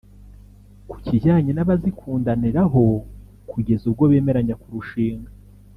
Ku kijyanye n’abazikundaniraho kugeza ubwo bemeranya kurushinga